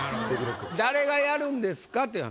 誰がやるんですかっていう話。